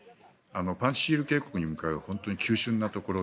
パンジシール渓谷に向かう急しゅんなところ